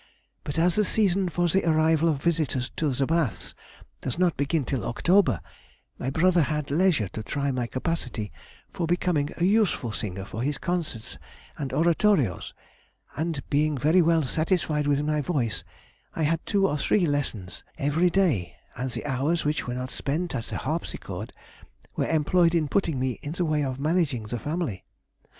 But as the season for the arrival of visitors to the Baths does not begin till October, my brother had leisure to try my capacity for becoming a useful singer for his concerts and oratorios, and being very well satisfied with my voice, I had two or three lessons every day, and the hours which were not spent at the harpsichord were employed in putting me in the way of managing the family....